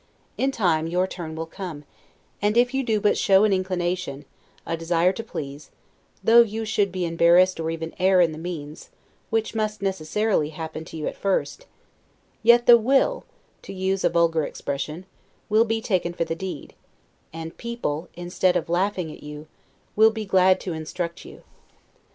In time your turn will come; and if you do but show an inclination, a desire to please, though you should be embarrassed or even err in the means, which must necessarily happen to you at first, yet the will (to use a vulgar expression) will be taken for the deed; and people, instead of laughing at you, will be glad to instruct you.